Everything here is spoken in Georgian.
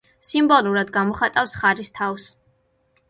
სიმბოლურად გამოხატავს ხარის თავს.